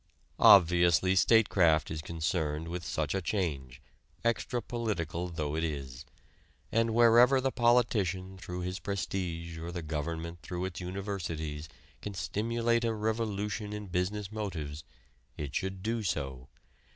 Obviously statecraft is concerned with such a change, extra political though it is. And wherever the politician through his prestige or the government through its universities can stimulate a revolution in business motives, it should do so.